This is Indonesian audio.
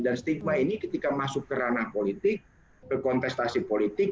dan stigma ini ketika masuk ke ranah politik ke kontestasi politik